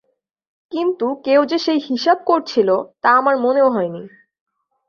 কিন্তু কেউ যে সেই হিসাব করছিল তা আমার মনেও হয় নি।